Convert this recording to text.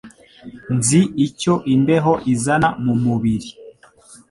Nzi icyo imbeho izana mu mubiri